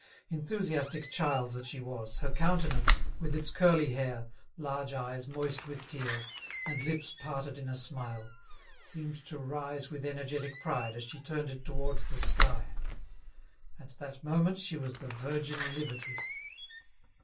Enthusiastic child that she was, her countenance, with its curly hair, large eyes moist with tears, and lips parted in a smile, seemed to rise with energetic pride as she turned it towards the sky. At that moment she was the virgin Liberty.